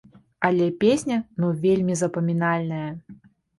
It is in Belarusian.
Але песня ну вельмі запамінальная!